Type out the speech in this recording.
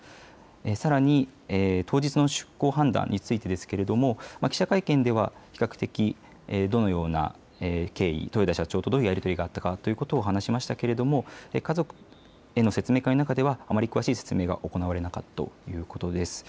さらに、当日の出航判断についてですけれども記者会見ではどのような経緯、豊田船長とどのようなやり取りがあったかということを話しましたが家族への説明会の中ではあまり詳しい説明は行われなかったということです。